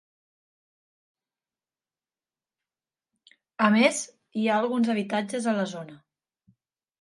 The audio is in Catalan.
A més, hi ha alguns habitatges a la zona.